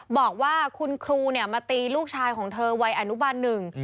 บอกว่าคุณครูเนี่ยมาตีลูกชายของเธอวัยอนุบันหนึ่ง